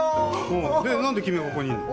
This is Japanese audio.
うんで何で君がここにいんの？